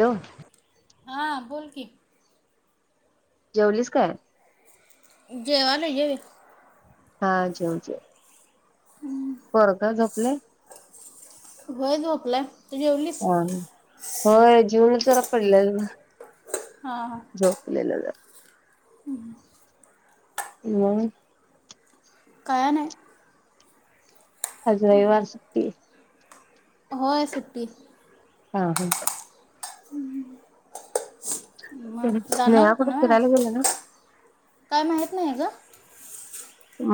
Low हा बोल कि जेवलीस काय जेवायलोय ये. हा जेव जेव पोरग झोपलय होय झोपलाय तू जेवलीस होय जेवुनच रा पडल्याल ब झोपलेलेलो हम्म [unintelligible] काय नाय आज रयवार सुट्टी होय सुट्टी हा ह हम्म [inaudible] म जाणार स्नेहा होता कुठं ना आज फिरायला गेल्या ना काय माहीत नाय ग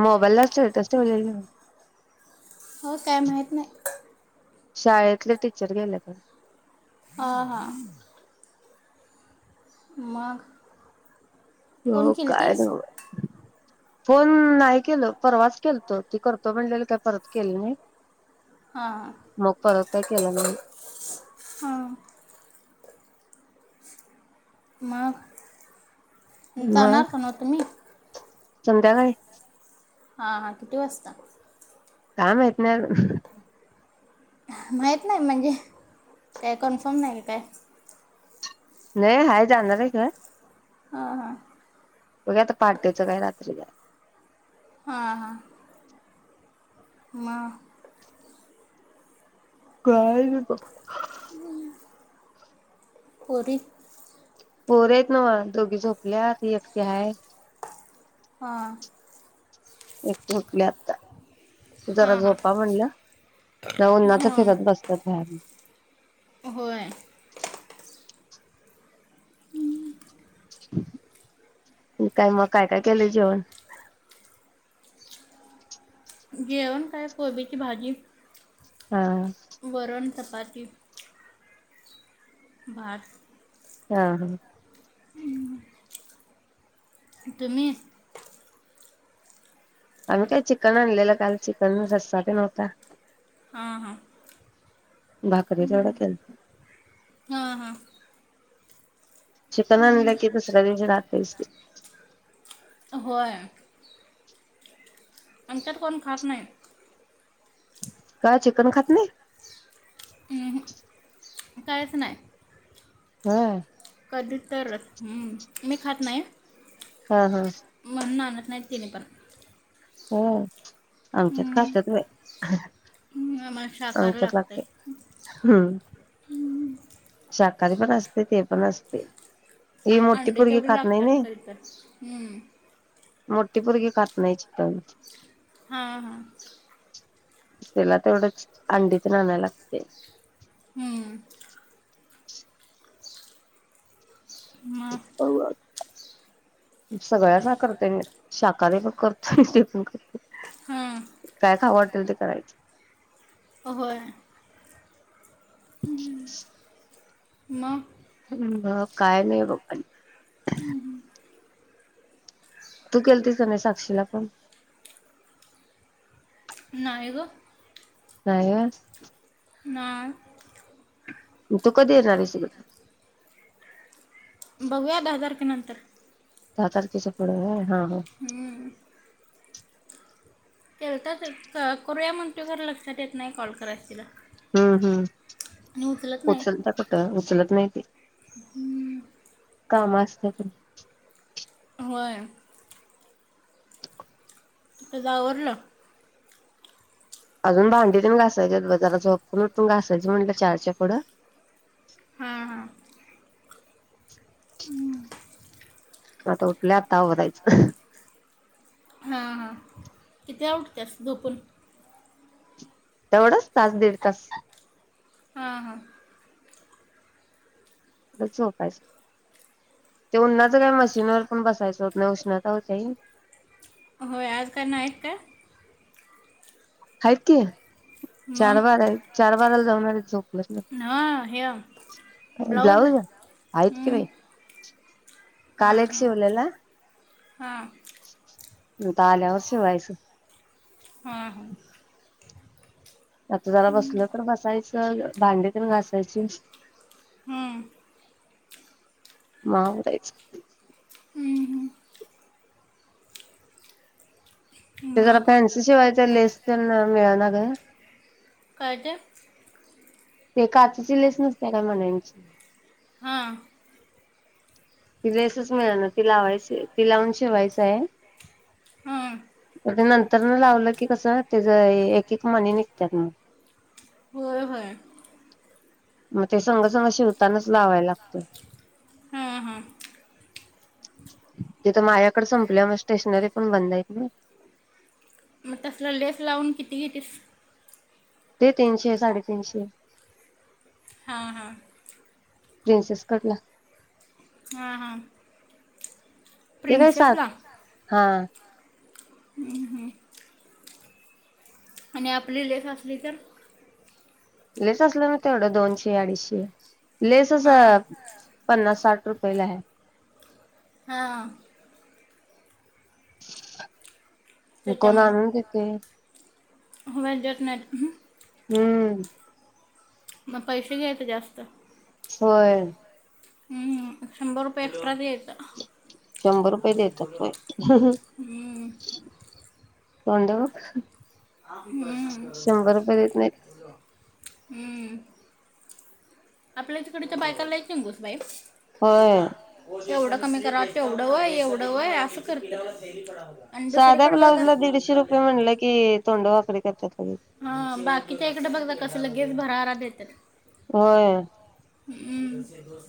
मोबाईल ला स्टेटस ठेवलेलं हो काय माहीत नाय शाळेतले टीचर गेलेत व्हय हा हा मग फोन ह्यो काय केलतीस न्हवं फोन नाही केल परवाच केलत ती तो म्हणलेली काय परत केलं नाही हा हा मोकार होतय केला हा मग् मग जाणार हो ना तुम्ही संध्याकाळी हा हा किती वाजता काय माहीत नाय आजुन माहीत नाही म्हणजे काय कन्फर्म नाही काय नाही हाय जाणार आहे का हं हं बघूया आता पहाटेचं काय रात्री जायचं हां हां म् काय नाय बग पोरी पोरं आहेत नव्ह दोघी झोपल्यात एकटी हाय हंअ् हम झोपल्यात जरा हां हां झोपा म्हणलं नाही उन्हाचं हां फिरत बसत्यात बाहेर हं होय मग काय मग काय काय केलंय जेवण जेवण काय कोबीची भाजी हाअ् वरण चपाती भात हा तुम्ही आम्ही काय चिकन आणलेलं काल चिकन रस्सा तेन होता हा हा भाकरी जड केलं हां हा चिकन आणलं की दुसऱ्या दिवशी रातयचकी होयं आमच्यात कोण खात नाय काय चिकन खात नी हं, कायच ंनाय तरं कधी तर हमं मी खात नाय हम् नाय ते नि पण ह आमच्यात खात्यात बाई आमला शाकार आमच्यात लागत लागतय काही पण पण असते ते पण असते अंडी केवढी लागतात तरीतरी हम्म मोठी पोरगी खात नाहीची तनच हा हा तिला ते तेवढंच अंडीत तर आणायला लागते हम्म [inaudible] मग सगळ्यांना करते मी शांहाकाारी पण करत मी ते पण करतोय हां काय खाऊ वाट ते करायचं होय [inaudible] म म काय नाही बघ आणि तू केलतीस का नाही साक्षीला फोन नाही गं नाही होय नाही मग तु कधी येणार आहीस इकडं बघूया दहा तारखेनंतर दहा तारखेच्या पुड होय हा हा हं. केलता तर करूया मग तू घर लक्षात येत नाही कॉल कराच तिला हम्म हम्म आणि उचलत नाही उचलतीया कुठ उचलत नाही ती कामा असत्यात व्हय तुझ आवरलं अजून भांडीतेन घासायची आहीत बघ जरा झोपून उठून घासायचं म्हणलं चारच्या पुडं हा हा आता उठलोय आता आवरायंच कितीला उठतीयास झोपन तेवढंच तास दीड तास हां हां तेवढंच झोपायच ते उन्हाच काय मशीनवर पण बसायचं होत नाही उष्णता होत्याही होय आज काय नाइट काय आहेत कि मग चार बारा आहेत चार बाराला जाऊणारे झोपलं न्हव हे ब्लाऊज आहेत की हम् बाई काल एक शिवलेला हां आता आल्यावर शिवायच हां आता जरा बसलोय तर बसायचं भांडेतेन घासायची हां माग आवरायंच ते जरा मग फॅन्सी शिवायच आहे लेस ते मिळणा ग काय ते ते काचची लेस नसतीया काय मण्यांनची हां ती लेसच मिळाणार ती लावायची ती लावून शिवायच आहे हां तर ते नंतर न लावलं कि कसं त्याच एक एक मणी निघत्यात मग होय होय मग ते संग संंग शिवतानाच लावायला लागते हां हां तिथ मायाकडे संपल्या मग स्टेशनरी पण बंद आहेत ना मग तसल लेस लावून किती घेतीस ते तीनशे साडेतीनशे हां हां प्रिनसेस कटला हां हां ते काय साध प्रिन्सेसला हा आणि आपली लेस असली तर लेस असला ना तेवढं दोनशे अडीचशे लेसच हां पन्नास साठ रुपयला हाय हां कोण आणून देते व्हय व्हयं देत नाहीत. हम्म मग पैसे घ्यायचे जास्त होय हम्म हू शंभर रुपये एक्स्ट्रा रेट चला शंभर रुपये देतात व्हय हम हम हं, तोंड अ बघ हम शंभर रुपये देत नाहीत हम्म आपल्या तिकडच्या बायका लय चिंगूस बाई होय तेवढं कमी करा. तेवढं वय एवढं वय असं करत्यात साध्या ब्लाउज ला दीडशे रुपये म्हणलं की तोंड वाक [unintelligible] हा बाकीच्या इकड बघ जा कस लगेच भरारा [unintelligible] होय हम् हम्म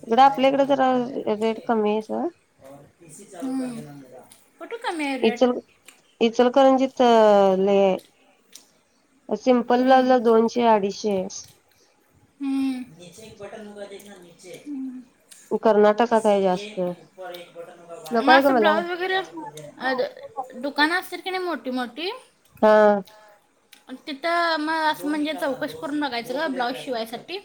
इकडं आपल्या इकडे जरा रेट कमी आहे सोड कुठ कमी हाय रेट तर नाही सिम्पल ब्लाउज हम्म. ला दोनशे अडीचशे हम्म कर्नाटकात आहे जास्त मग नकोय ग असं मला ब्लाऊज वगैरे दुकान असतील की नाही मोठी मोठी ते अ हा तिथं मग असं म्हणजे चौकशी करून बघायचं गं ब्लाऊज शिवायसाठी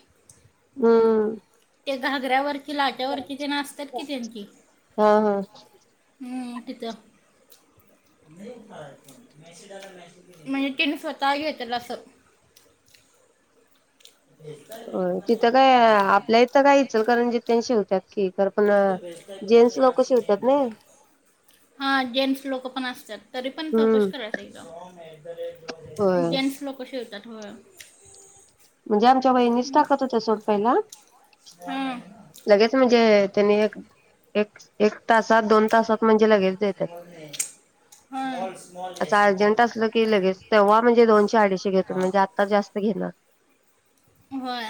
हम्म ते घागऱ्यावर ते लाट्यावरती की तेंन असतात कि तेंन की हा हा हम् इथ म्हणजे तिन स्वतः घेतला अस तिथं काय आपल्या इथं काय इचलकरंजीत तेन शिवत्यात की खरं पण जेंट्स लोक शिवतात ना हा जेंट्स लोक पण असत्यात तरी पण चौकशी हम्म करायचं एकदा बरी हाय की होय जेन्टस लोक शिवतात. होय म्हणजे आमच्या वहिनीच टाकत होत्या सोड पहिला. हां लगेच म्हणजे त्यांनी एक, एक, एक तासात दोन तासात म्हणजे लगेच देत्यात अस अर्जंट असल की लगेच तेव्हा म्हणजे दोनशे अडीचशे घेत होते म्हणजे आता जास्त घेणार. होय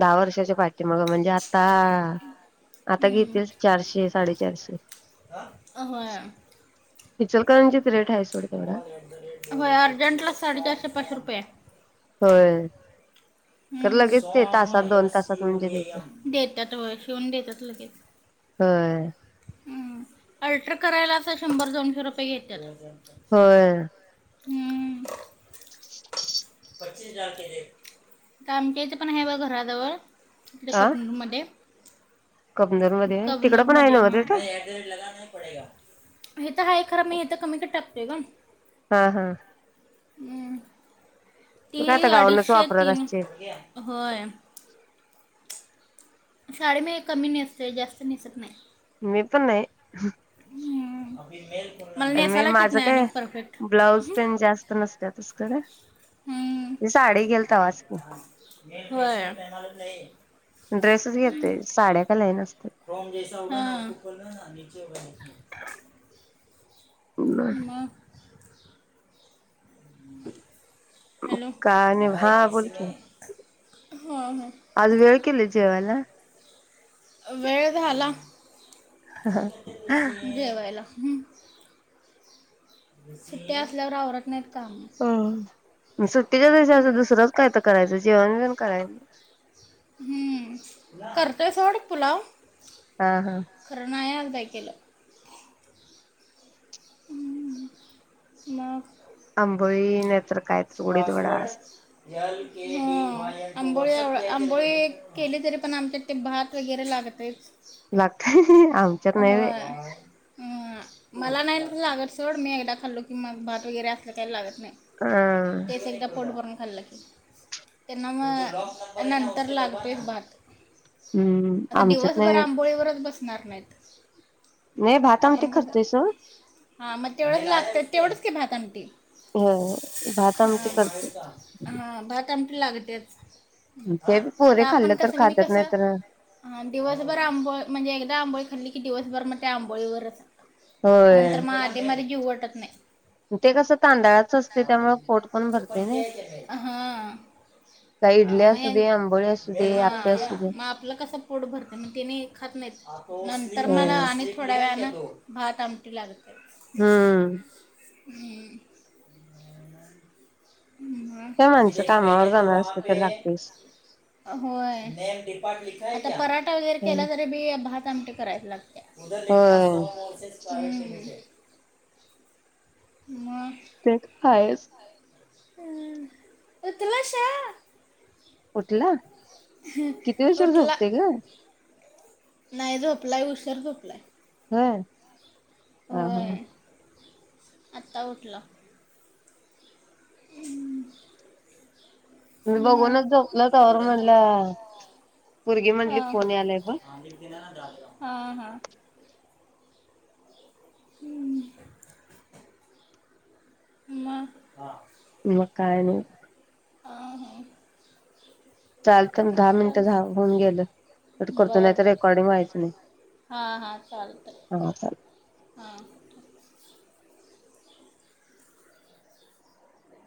दहा वर्षाच्या पाठीमाग म्हणल्या ता आता हम्म. घेतील चारशे साडेचारशे. इचलकरंजीत रेट आहे सोड तेवढा व्हय अर्जंटलाच साडेचारशे पाच रुपये हाय. होय. खरं लगेच हम्म ते तासात दोन तासात म्हणजे देते हम्म देतात होय शिवून देत्यात लगेच. होय हम्म अल्ट्रर करायला अस शंभर दोनशे रुपये घेत्यात. होय हम्म आमच्या इथं पण आहे बघ घराजवळ कुठं हा कबनुरमध्ये? कमनोर मध्ये आहे तिकडं कबनूर पण आहे मध्ये नव्ह ह [inaudible] थिएटर हे तर आहे खर म हे त कमी का टाकते ग हा, हा हम्म ती तू काय आता गावावरनच अडीचशे वापरत तीन असशील होय. साड्या मी कमी नेसते जास्त नेसत नाय. मी पण नाही हः हं अन मी माझ काय ब्लाऊज तेन जास्त नसत्यातच खर. हम्म, की होय. ड्रेसच हम्म घेतोय साड्या काय लई नसत्यात [inaudible] मग म हॅलो काय नाही हा हा बोल की आज वेळ केली जेवायला वेळ झाला. [inaudible] जेवायला हम्म सु्ट्या असल्यावर आवरत नाहीत. कामच हो सुट्टीच्या दिवसाच अस दुसरच काय त करायच जेवणबीवण करायच हम्म. करतोय सोड पुुलाव. हा हा खरं नाय अग ट्राय केलं हं हं हं मग अंबोळी नायतर पासवर्ड जल केबाईल आंबोळी आंबोळी केली तरी पण आमच्यात ते भात वगैरे लागतेच लागत होय हम मला नाही लागत सोड मी एकदा खाल्लो की मग भात वगैरे असलं काही लागत नाही अ तेच् एकदा पोट भरून खाल्ल की त्यांना मग नंतर लागतो भात हम्म आमच्यात नाही नार नायत नाही भात आमटी आपण कस करतोय सोड हा म तेवढंच लागतंय तेवढंच भात आमटी होय भात ह आमटी करतोय हा भात आमटी लागल तेच ते बी आता पोरी आपण खाल्लं तर कस मी खात्यात कस नाही तर दिवसभर आंब म्हणजे एकदा आंबो दिवसभर मग ते आंबोळी वरच नंतर होय म आधी मधी जीवड पडत नाय ते कसं तांदळाचं असतय त्यामुळे पोट पण भरतय नाही हा काय इडली असू मग दे आंबोळी असू दे आप्पे असू दे मग आपलं कस पोट भरते मग तिने खात नाहीत नंतर होय मला आणि थोड्या व भात आमटी लागते हम्म हम्म म काय माणसं कामावर व्हय जाणार असत्यात तर लागतयच आता पराठा वगैरे होय केला तरी बी भात तामटी कराय [unintelligible] उधर एकनाथ होय सोमोर नट म ते हायच हम्म उतलाशा उठला किती उशीर उठला झोपतय ग नाही झोपलाय उशर झोपलाय होय हा हा होय आता उठलो मी बघूनच मग झोपलं तवर म्हनलं पोरगी म्हनली फोन यालाय ब हा हा हम्म म म कायनई अं हा! चालत दहा मिनटं झा होऊन गेल. प करतो नाही बरं तर बरं रेकॉर्डिंग व्हायचं नाही. हां हां चालतं हा चाल हां